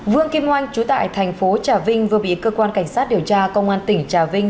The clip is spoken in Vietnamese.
vương kim oanh chú tại thành phố trà vinh vừa bị cơ quan cảnh sát điều tra công an tỉnh trà vinh